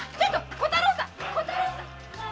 小太郎さん。